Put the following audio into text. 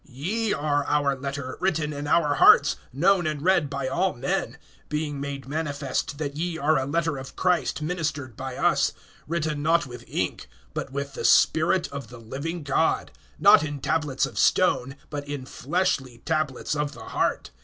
(2)Ye are our letter, written in our hearts, known and read by all men; (3)being made manifest that ye are a letter of Christ ministered by us, written not with ink, but with the Spirit of the living God; not in tablets of stone, but in fleshly tablets of the heart.